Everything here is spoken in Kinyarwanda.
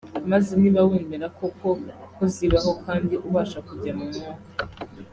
maze niba wemera koko ko zibaho kandi ubasha kujya mu mwuka